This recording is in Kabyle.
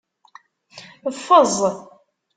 Ffeẓ.